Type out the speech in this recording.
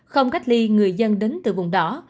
không cách ly người dân đến từ vùng đỏ